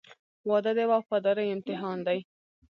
• واده د وفادارۍ امتحان دی.